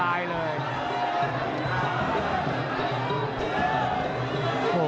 อ้าวเดี๋ยวดูยก๓นะครับ